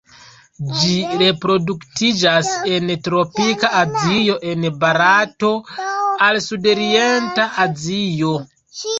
Ĝi reproduktiĝas en tropika Azio el Barato al Sudorienta Azio.